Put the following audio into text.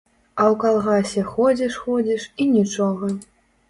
А ў калгасе ходзіш-ходзіш і нічога.